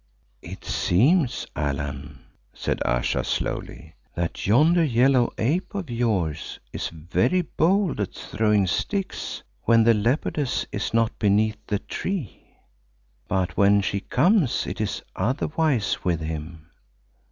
"It seems, Allan," said Ayesha slowly, "that yonder yellow ape of yours is very bold at throwing sticks when the leopardess is not beneath the tree. But when she comes it is otherwise with him.